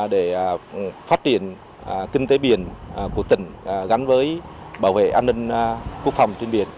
để phát triển kinh tế biển của tỉnh gắn với bảo vệ an ninh quốc phòng trên biển